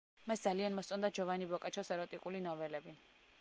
მას ძალიან მოსწონდა ჯოვანი ბოკაჩოს ეროტიკული ნოველები.